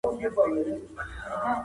ایا تکړه خرڅوونکي پسته پلوري؟